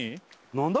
何だ？